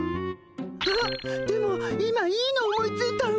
あっでも今いいの思いついたわ。